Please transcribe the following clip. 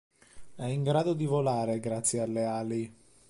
È in grado di volare grazie alle ali.